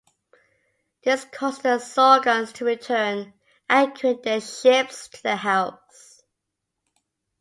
This causes the Zorgons to return, anchoring their ships to the house.